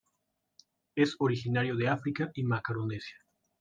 Es originario de África y Macaronesia.